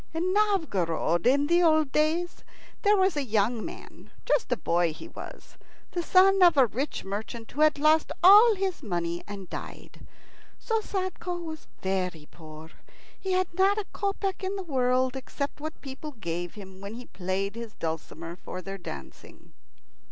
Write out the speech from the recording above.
In Novgorod in the old days there was a young man just a boy he was the son of a rich merchant who had lost all his money and died. So Sadko was very poor. He had not a kopeck in the world, except what the people gave him when he played his dulcimer for their dancing.